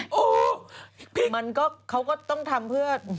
โอ้โหมันก็เขาก็ต้องทำเพื่อ